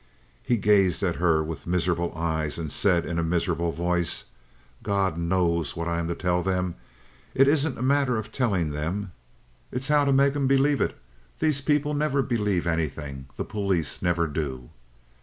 He gazed at her with miserable eyes and said in a miserable voice: "God knows what I'm to tell them. It isn't a matter of telling them. It's how to make 'em believe it. These people never believe anything; the police never do."